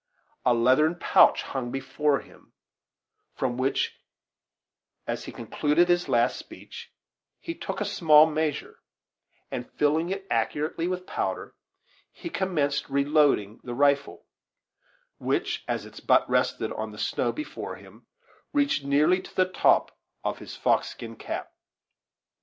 A leathern pouch hung before him, from which, as he concluded his last speech, he took a small measure, and, filling it accurately with powder, he commenced reloading the rifle, which as its butt rested on the snow before him reached nearly to the top of his fox skin cap.